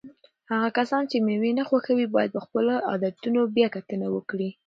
هغه کسان چې مېوې نه خوښوي باید په خپلو عادتونو بیا کتنه وکړي.